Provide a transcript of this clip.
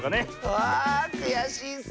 あくやしいッス！